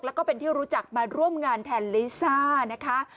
แล้วก็เป็นที่รู้จักมาร่วมงานแทนลิซ่านะคะ